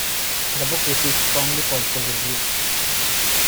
The book received strongly positive reviews.